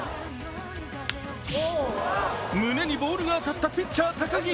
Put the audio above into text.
胸にボールが当たったピッチャー・高木。